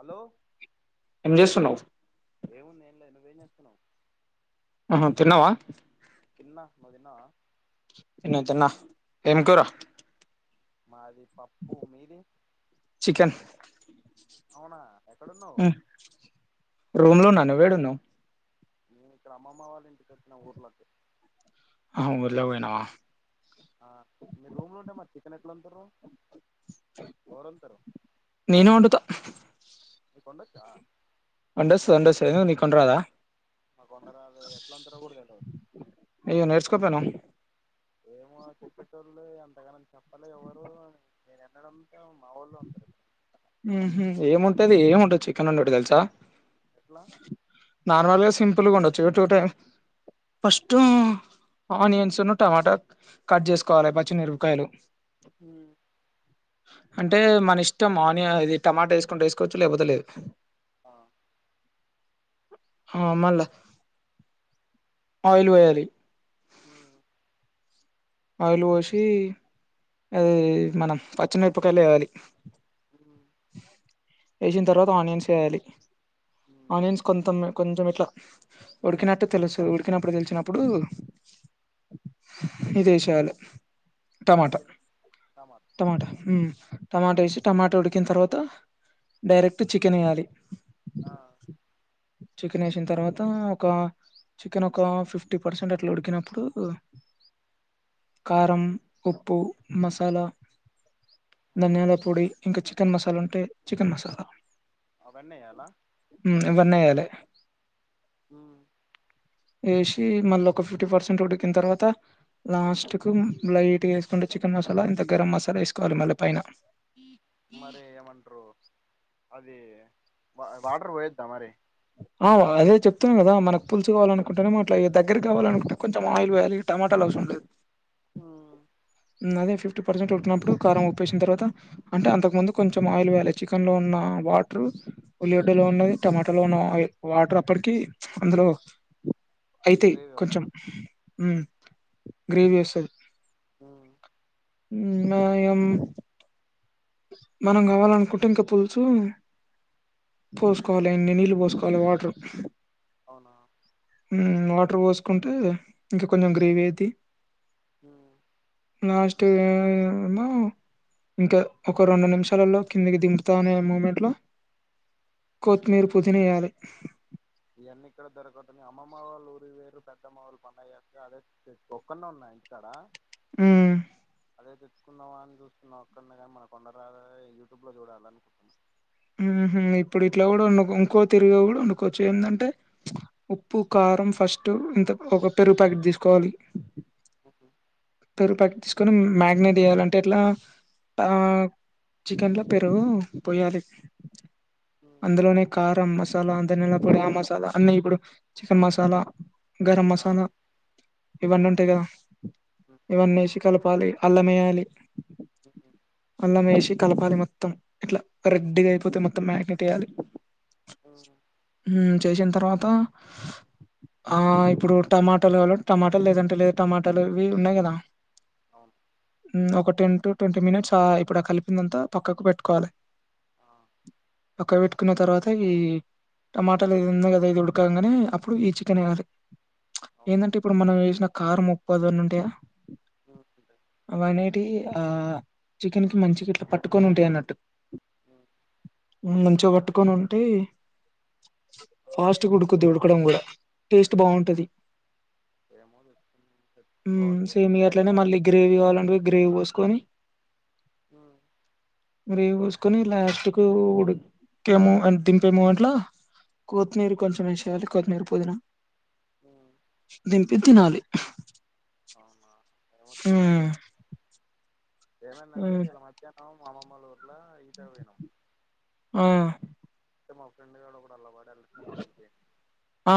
Hello ఎస్తున్నావ్ ఏముంది ఏం లే నువ్వేం చేస్తున్నావు ఆ తిన్నావా తిన్న నువ్వు తిన్నవా తిన్న తిన్న ఏం కురా మాది పప్పు మీది చికెన్ [inaudible] అవునా ఎక్కడున్నావు నవ్వు యెడున్వు నేను ఇక్కడ అమ్మమ్మ వాళ్ళు నవుర్ లా నా ఆ మీ రూమ్లు ఉంటా మరి చికెన్ ఎక్కడ వండుతురు నేను వండుతా పొండక్క వండస్తు అండస్ నీకు అండ రాదా మాకు కొందరాదు ఎట్లాంతారకూడదుల అయ్యో నేర్చుకోపోయినావు ఏమో చెప్పెటోల్లే అంత అంతగానని చెప్పలే ఎవరు నేను ఎనడం ఉహూ ఏముం అంటే అది ఏం ఉంటదు చికెన్ ఉంటుడు తెలుసా ఎట్లా నార్మల్గా సింపుల్గా ఉండొచ్చు ఇ టూ టై ఫస్ట్ ఆనియన్స్ టమాటా కట్ చేసుకోవాలి పచ్చిమిరపకాయలు ఉమ్ అంటే మన ఇష్టం ఆనియ ఇది టమాటా వేసుకుంటే వేసుకోవచ్చు లేకపోతే లేదు ఆ [inaudible] ఆ మళ్ళా ఆయిల్ పోయాలి ఉమ్ ఆయిలు పోసి అది మనం పచ్చిమిరపకాయలు వేయాలి మ్మ్ [inaudible] వేసిన తర్వాత ఆనియన్స్ వేయాలి. మ్మ్ ఆనియన్స్ కొంత న్న కొంచెం ఇట్లా ఉడికినట్టు తెలుసు ఉడికినప్పుడు తెలిసినప్పుడు ఇది చాలు టమాటా ఏంటిది టమాటా ఉం టమాట ఏసి టమాటా ఉడికిన తర్వాత డైరెక్ట్ చికెన్ వేయ్యాలి ఆ చికెన్ వేసిన తర్వాత ఒక చికెన్ ఒక ఫిఫ్టీ పర్సెంట్ అట్లా ఉడికినప్పుడు కారం ఉప్పు మసాలా ధనియాల పొడి ఇంకా చికెన్ మసాలా ఉంటే చికెన్ మసాలా అవన్నీ వేయాలా హ్మ్ ఇవన్నేయాలే హ్మ్ యేసి మళ్ళొక ఫిఫ్టీ పర్సెంట్ ఉడికిన తర్వాత లాస్ట్కు లైట్గా వేసుకుంటే చికెన్ మసాలా ఇంత గరం మసాలా వేసుకోవాలి. మళ్ళ పైన మరి ఏమట్ర్రు అది వా వాటర్ పోయిందా మరి ఆ అదే చెప్తాం కదా మనకు పులుసు కావాలనుకుంటనేమో అట్ల దగ్గర కావాలనుకుంటే కొంచెం ఆయిల్ పోయాలి. టమాటాలు అవసరం లేదు. ఆ హ్మ్ అదే ఫిఫ్టీ పర్సెంట్ ఉడికినప్పుడు కారం, ఉప్పేసిన తర్వాత అంటే అంతకుముందు కొంచెం ఆయిల్ వోయాలె చికన్లో ఉన్న వాటర్ ఉల్లిగడ్డలో ఉన్నది, టమాటాలో ఉన్న ఆయి వాటర్ అప్పటికి అందులో అయితాయ్ గ్రేవీ కొంచెం వస్తదా హ్మ్ గ్రేవి వస్తది ఆ హ్మ్ మా యం మనం కావాలనుకుంటె ఇంక పులుసు పోసుకోవాలి. ఇన్ని నీళ్ళు పోసుకోవాలి. వాటర్ ఆహా హ్మ్ వాటర్ పోసుకుంటే ఇంక కొంచెం గ్రేవీ అయిద్ది ఫాస్ట్ గా ఏమో ఇంకా ఒక రెండు నిమిషాలలో కిందికి దింపుతా అనే మూమెంట్ లో కోత్మీరు పూదినేయాలి. ఇయన్నీ ఇక్కడ దొరకదు. అమ్మమ్మ వాళ్ళు ఊరుకి పోయిర్రు. పెద్దమ్మ వాళ్ళు పండగా అదే ఒక్కన్నే ఉన్నా ఇంటి కాడా హ్మ్ తెచ్చుకున్నావా అని చూస్తున్నా ఒక్కన్నే గని మనకు వండరాదాయే యూట్యూబ్ లో చూడాలి దాన్ని ఉ హ్మ్ ఇప్పుడు ఇట్లా వండు, ఇంకో తీరాగా కూడా వండుకోవొచ్చు. ఉప్పు కారం ఫస్ట్ ఇంత ఒక పెరుగు ప్యాకెట్ తీసుకోవాలి. పెరుగు ప్యాకెట్ తీస్ ఇక్కడ మ్యాగ్నెట్ చేయాలంటే ఎట్లా ఆ చికెన్ లో పెరుగు పోయాలి. అందులోనే కారం, మస్ మసాలా ఆ దానియాల పొడి, ఆ మసాలా అన్నీ ఇప్పుడు చికెన్ మసాలా గారం ఆ మసాలా ఇవ్వన్నీ ఉంటాయి. కదా అంతే ఇవ్వన్నీ వేసి కలపాలి. అల్లం వే లి అల్లం మేశి కలపాలి. మొ మొత్తం ఇట్లా రెడ్గా అయి పోతే మొత్తం మ్యాగ్నేట్ ఎయ్యాలి. హ్మ్ చేసిన తర్వాత ఆ ఇప్పుడు టమాటాలు కావాలంటే టమాటాలు లేదంటే లేదు టమాటాలు ఇవి ఉన్నాయి. కదా అవును హ్మ్ ఒక టెన్ టు ట్వంటీ మినిట్స్ ఆ ఇప్పుడు ఆ కలిపిందంతా పక్కకు పెట్టుకోవాలె ఆ పక్కకు పెట్టుకున్న తర్వాత ఈ టమాటాలు ఇది ఉంది. కదా ఇది ఉడకంగనే అప్పుడు ఈ చికెన్ వేయ్యాలె అవును ఏందంటే ఇప్పుడు మనం వేసిన కార్ ముప్పదన్ ఉంటయా అంతే అవేటియి ఆ చికెన్ కి మంచిగా ఇట్లా పట్టుకొని ఉంటాయి అన్నట్టు అ ఉ మంచిగా కట్టుకొని ఉంటే ఆ ఫాస్ట్ గా ఉడుకుద్ది ఉడకడం కూడా టేస్ట్ బాగుంటది ఏమో తెచ్చుకున్నా ఉ తెచ్చుకోవాలి సేమ్ ఇగ అట్లనే అయ్యాక మళ్ళీ గ్రేవీ కావాలంటే గ్రేవీ పోసుకొని మరి ఏమ్ కోసు కొని ఇట్ల కట్టు ఉడికేము అ దింపేము అంట్ల కొత్తిమీర కొంచెం ఏ షేయాలి కొత్తిమీర పుదీనా దింపి తినాలి అవునా ఏమో చూడాలి హ్మ్ ఇయ్యల ఏమంటంటే హ్మ్ ఇయ్యల మధ్యాహ్నం మా అమ్మమ్మలోల ఊరులై ఆ అంటే మా ఫ్రెండ్ గాడు ఓగాడు అల్ల వాడి ముంచే ఆ ఆ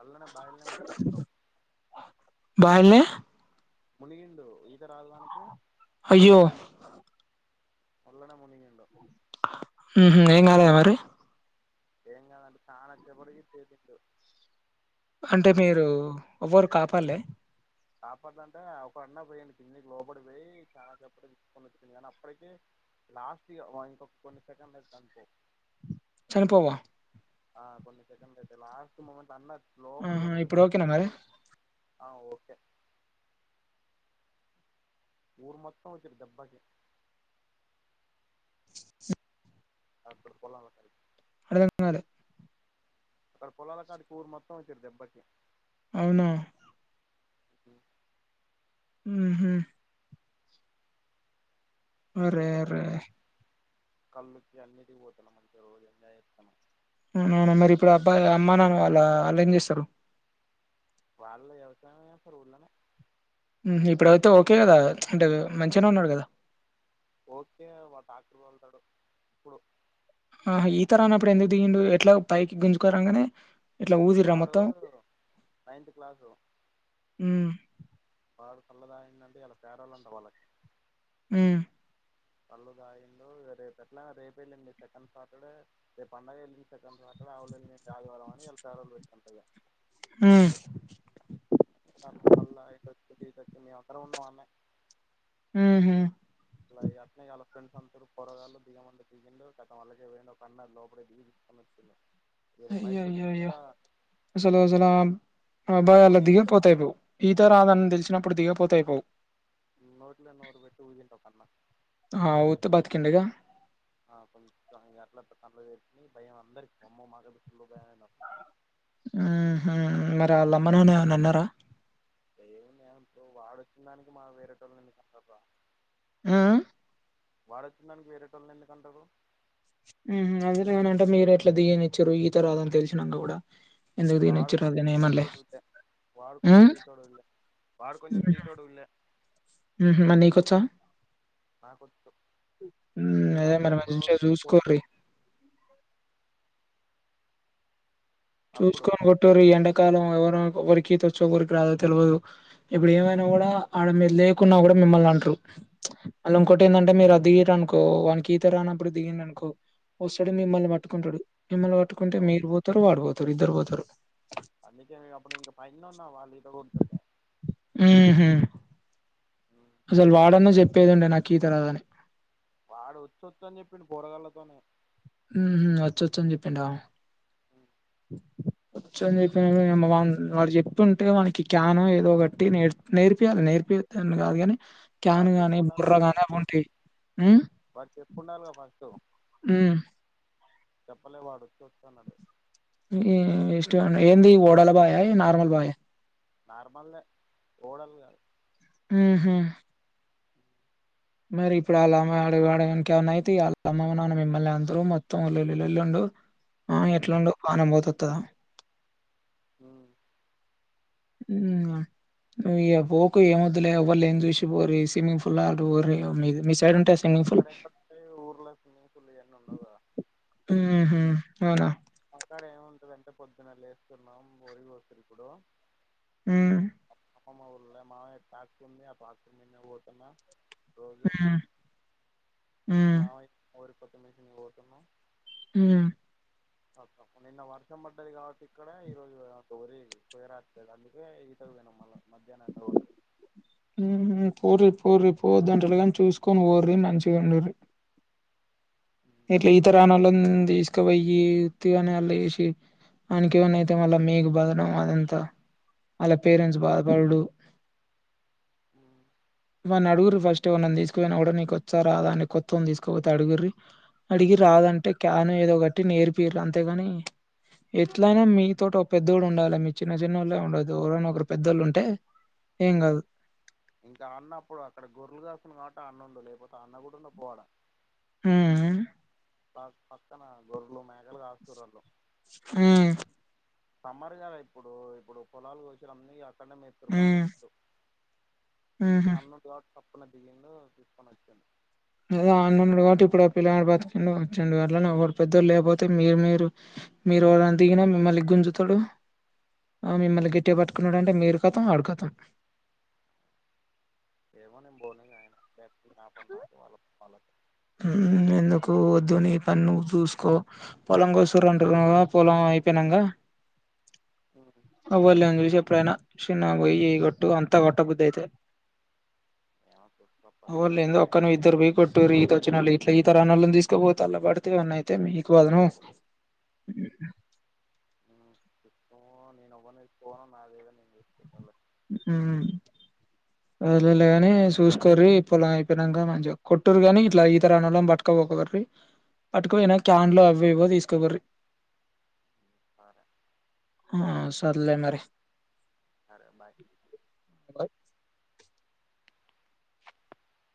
అలనే బయల ముంచిండు బాయిల్నే మునిగిండు ఈత రాదు వానికి అయ్యో ఒళ్ళనే మునిగిండో ఉహు ఏం కాలే మరి ఏం గాదు అంట చానచెప్పడికి తేటింటు అంటే మీరు ఎవ్వరు కాపాలే కాపట్దంటే ఒక అన్న పోయిడి కిందికి లోపబడి పోయి చాలా సేపటి తీసుకొని వచ్చింది కానీ అప్పటికే లాస్ట్ ఇగ ఇంకొక కొన్ని సెకండ్లు అనుకో చనిపోవా ఆ కొన్ని సెకండ్లు అయితే లాస్ట్ ముమెంట్ అన్నట్ ఆహా ఇప్పుడు ఓకేనా మరి ఆ ఓకే ఊరు మొత్తం వచ్చారు దేబ్బాకి అప్పుడు పోల లకే అర్ధం కాలే అక్కడ పొలాల కాడికి ఊరు మొత్తం వచ్చిర్రు దెబ్బకి అవునా ఇ ఉహు మంచి అరే ఇక్కడ రే ఊర్లో కళ్ళుకి అన్నిటికి పోతన్నాము మంచిగా రోజు ఎంజాయ్ చేసుతున్నాం అవు అవునా మరి ఇప్పుడు అబ్బాయి అమ్మ నాన్న వాళ్ళ వాళ్ళు ఏం చేస్తారు వాళ్ళ వ్యవసాయం వెతారు ఊళ్లనే ఇప్పుడు అయితే ఓకే కదా అంటే మంచిగానే ఉన్నాడు కదా ఓకే వాడు టాక్టర్ తోలుతాడు ఇప్పుడు ఆహా ఈత రానప్పుడు ఎందుకు దిగిండు ఎట్లా పైకి గుంజుక రాంగనే. వాడు నైన్త్ క్లాసు హ్మ్. వాడు చల్ల తాగిందంటే వాళ్ళు పేదోళ్ళంట వాళ్ళ ఉ కళ్ళు తాగిండు ఇగా రేపు ఎట్లా రేపు ఏల్లుండి సెకండ్ సాటర్డే రేపు పండగ వెళ్ళి సెకండ్ సాటర్డే ఆవులేళ్ళుండి ఆదివారం అని ఇవాళ సెలవు పెట్టుకుంటా ఇగ హ్మ్. స కళ్ళు తాగేసి వచ్ వచ్చిండు మేం అందరం ఉన్నాం ఆడనే హుహు. లా అట్నే అలా ఫ్రెండ్స్ అందరు పోరగాళ్లు దిగమంటే దిగిండు ఖతం అళ్ళకె పోయిండు ఒక అన్న లోపలే దిగి తీసుకోని వచ్చిండు వీళ్ళు అయ్యో పైకి అయ్యో అయ్యో వచ్చినంక అసల్ అసలా ఆ అబ్బాయి అల్లా ఊదింటి దిగకపోతే అయిపోవు ఈత రాదని తెలిసినప్పుడు దిగికపోతే అయిపోవు నోట్లో నోరు పెట్టి ఊదిండు ఒక అన్న ఆ! ఊత్తే బతికిండిగా. ఆ కొంచం అట్లా అట్లా కన్ను తేరి ఇ భయం అందరికి అమ్మో మాకు అసల్ ఫుల్ భయం అయ్యింది ఆహా మరి వాళ్ళ అమ్మ నాన్న ఎమన్నా అన్నారా ఏముంది ఇప్పుడు వాడు వచ్చిన దానికి మనం వేరేటోళ్ళని ఎందుకు అంటర్రా ఆ వాడొచ్చిందానికి వేరేటోళ్ళని ఎందుకంటరు. ఉ హు అదే నేనంటే మీరు ఎట్లా దిగనిచ్చారు ఈత రాదని తెలిసినంక కూడా వాడు కొంచం తిటోడు ఉండే వాడు కొంచం హ్మ్. తిటోడు లే వాడు కొంచెం తీటోడు లే ఉ హు మరి నీకొచ్చా నాకొం హ్మ్. నేను అదే మరి అప్పుడెప్పుడో మంచిగా జూసుకోర్రి. పోతున్నాను అప్పుడు చూసుకొని కొట్టరు ఈ ఎండాకాలం ఎవరికి ఈత వచ్చో ఎవరికి రాదో తెలవదు ఇప్పుడు ఏమైనా కూడా ఆడ మీరు లేకున్నా కూడా మిమ్మల్ని అంటరు మళ్ళ ఇంకోటి ఏందంటే మీరు అది దిగిర్రు అనుకో వానికి ఈత రానప్పుడు దిగిండు అనుకో వస్తడు మిమ్మల్ని పట్టుకుంటడు మిమ్మల్ని పట్టుకుంటే మీరు పోతరు వాడడు పోతడు తర్ ఇద్దరు పోతరు అందుకే మేము అప్పుడు ఇంకా పైన ఉన్నా వాళ్ళు ఈత కొడుతుండే ఆ హ అసలు వాడన్నా చెప్పేదుండే నాకు ఈత రాదని వాడు వాచ్చుచ్చని అని చెప్పిండు పోరగాళ్లతోనే ఉ హు వచ్చు వచ్చని చెప్పిండ అ వచ్చని చెప్పిన వాళ వాడు చెప్పి ఉంటే వానికి క్యానో ఏదో కట్టి నేర్పియాలి నేర్పియద్దని కాదు కాని క్యాన్ వాడు చెప్పి గాని బుర్ర ఉండాలిగా గాని ఫస్ట్ అవి ఉంటాయి ఉమ్ వాడు చెప్పి ఉండాలిగా ఫస్ట్ ఉమ్ చెప్పలే వాడు వచ్చు వచ్చు అన్నాడు హు వేస్ట్ గా ఏందీ ఓడా లా బాయ నార్మల్ బాయ నార్మల్ దే ఓడలు కాదు ఉహు మరి ఇప్పుడు ఆలా అమ్మ ఆడ వానికి ఏమన్నాయితే ఇగా వాళ్ళ అమ్మ నాన్న మిమ్మల్ని అందరూ మొత్తం లొల్లి లొల్లి ఉండదు. ఆహ్ ఎట్లా ఉండు పానం పోతది. ఉమ్ ఉమ్ ఉహు ఇగా పోకు ఏం వద్దులే ఎవ్వరులేనిది చూసి పోంరి స్విమింగ్ పూల్ అటు పోంరి ఇగా మీ సైడ్ ఉంటది స్వి ఇక్కడ ఎక్కడున్నాయి ఊర్లా స్విమ్మింగ్ పూల్ ఇవన్నీ ఉండవు కదా. ఉహు అవునా మా కాడ ఏముంటది అంటే పొద్దున్న లేేస్తున్నాం వరి కోస్తారు ఇప్పుడు. ఉమ్ మా అమ్మమ్మ ఊర్లో మామయ్య ట్రాక్టర్ ఉంది ఆ ట్రాక్టర్ మీన్నే పోతున్న. రోజు ఉమ్ ఉమ్ మామయ్యకు వరి కోత. వరి కోత మిషన్ పోతున్నం. ఉమ్ తప్ప నిన్న వర్షం పడ్డది కాబట్టి ఇక్కడ ఈ రోజు వరి కొయ్య రాట్లేదు. అందుకే ఈతకు పోయినం మల్ల. మధ్యాహ్నం ఎండ కొడుతుంది. పోరి పోరి పోవద్దు అంటలే గాని చూసుకొని పోరి మంచిగా ఉండుండ్రి. ఉమ్, ఇట్లా ఈత రానోల్లని తీసుకుపోయి ఉత్తిగానే అల్లేసి వానికి ఏమన్నా అయితే మళ్ళ మీకు బాదనం అదంతా. వాళ్ల అట్లా ఏం పేరెంట్స్ లేదు బాధపడుడు. ఉమ్. వాన్ని అడుగుంరి ఫస్ట్ ఎవరి నన్న తీసుకుపోయినా కూడా నీకు వచ్చా రాదా అనీ కొత్తోని తీసుకుపోతే అడుగుంరి. అడిగి రాదంటే క్యాన్ ఏదో ఒకట్టి నేర్పి ఇయుర్రి అంతేగాని ఎట్లయినా మీతోటి ఒక పెద్దోడు ఉండాలి. మీ చిన్న చిన్న వాళ్ళ ఉండోదు ఎరైనా ఒకరు పెద్దోళ్ళు ఉంటే ఏం కాదు. ఇంకా అన్నప్పుడు అక్కడ గొర్రెలుగాస్తుండు కాబట్టి అన్న ఉండు లేకపోతే అన్న కూడా పోలే. ఉమ్మ్ పా పక్కన గొర్లు ఉన్నాయి. ఉహు సమ్మర్ కదా ఇప్పుడు పొలాలు కోసిండ్రు అన్ని. అన్నం వేస్తారు బాట సుట్టూ. ఉహు సాప్పున దిగిండు తీసుకొని వచ్చినం. ఏదో ఆ అన్న ఉన్నాడు కాబట్టి ఇప్పుడు ఆ పిల్లగాడు బతికిండు వచ్చిండు. అట్లనే ఎవరు పెద్దోళ్ళు లేకపోతే మీరు మీరు మీరు ఎవరన్నా దిగినా మిమ్మల్ని గుంజుతాడు. మిమ్మల్ని గట్టిగా పట్టుకున్నాడు. అంటే మీరు కతం వాడు కతాం. ఏమో నేను పోనిగ ఆయన నా పని నాకు వాళ్ల పనులకు ఉమ్ ఎందుకు వద్దు నీ పని నువ్వు చూసుకో పొలం కోస్తుండ్రు అంటున్నావు కదా పొలం అయిపోయిన్నాక. వాళ్ళకి ఎవళ్ళు లేనిది చూసి ఎప్పుడైనా. చిన్నగా పోయి కొట్టు అంతా కొట్ట బుద్ధైతే. ఏమో చూసుకో ఎవలు అప్పటిలోపు లేనిది ఒక్కనివి ఇద్దరు పోయి కొట్టుండ్రి ఈతకు. వచ్చినళ్ళు ఇట్లా ఈత రానోల్లని తీసుకపోతే ఆండ్ల్ పడితే ఏమన్నా అయితే మీకు బదునం. తీసుకుపోను నేను ఎవరని తీసుకుపోను నాదేదో నేను చూసుకుంటాలే. ఉమ్ అదెలె గని సుస్సకొర్రి పొలం అయిపోయినంక మంచిగ కొట్టిండ్రు గని ఇట్ల ఈతరానోళ్ళనీ పట్టుకపోకుంర్రీ పట్టుకపోయినా క్యాన్లో అవో ఇవో తీసుక పొంర్రి. సరే. ఆహ్ సర్లే మరీ. సరే బాయ్